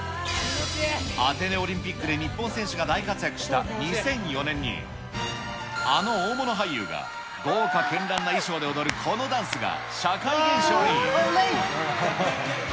アテネオリンピックで日本選手が大活躍した２００４年に、あの大物俳優が、豪華絢爛な衣装で踊るこのダンスが、社会現象に。